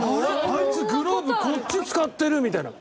あいつグローブこっち使ってるみたいな。